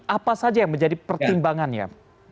apa saja yang menjadi pertimbangannya